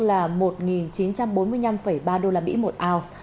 là một chín trăm bốn mươi năm ba usd một ounce